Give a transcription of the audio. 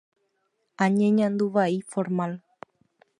añeñandu vai formal.